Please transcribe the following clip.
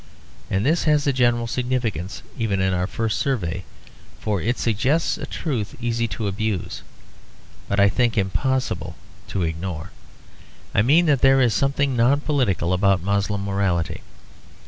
And this has a general significance even in our first survey, for it suggests a truth easy to abuse, but I think impossible to ignore. I mean that there is something non political about Moslem morality.